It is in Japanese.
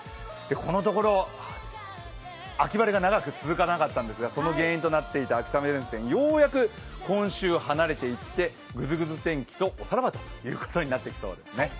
このところ、秋晴れが長く続かなかったんですがその原因となっていた秋雨前線、ようやく今週離れていって、ぐずぐず天気とおさらばということになりそうです。